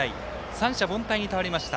三者凡退に倒れました。